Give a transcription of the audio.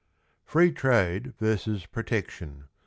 _FREE TRADE v. PROTECTION.